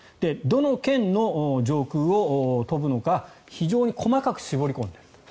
どの県の上空を飛ぶのか非常に細かく絞り込んでいる。